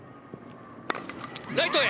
ライトへ。